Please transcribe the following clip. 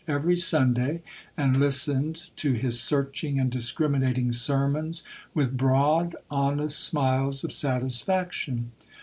every Sunday, and listened to his searching and discriminating sermons with broad, honest smiles of satisfaction.